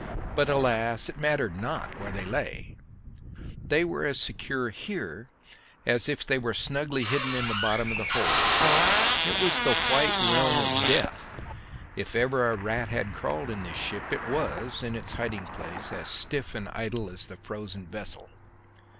But, alas! it mattered not where they lay; they were as secure here as if they were snugly hidden in the bottom of the hold. It was the white realm of death; if ever a rat had crawled in this ship, it was, in its hiding place, as stiff and idle as the frozen vessel.